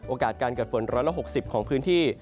โอกาสการเกิดฝนร้อนละ๖๐ของพื้นที่